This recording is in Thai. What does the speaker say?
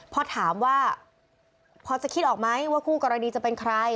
พอถามว่าพอจะคิดออกไหมว่าคู่กรณีจะเป็นใคร